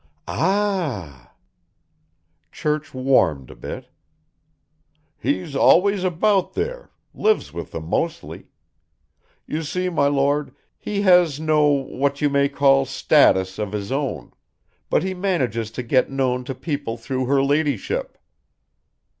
"Ah!" Church warmed a bit. "He's always about there, lives with them mostly. You see, my Lord, he has no what you may call status of his own, but he manages to get known to people through her Ladyship."